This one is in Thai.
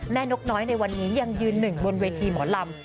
นกน้อยในวันนี้ยังยืนหนึ่งบนเวทีหมอลำ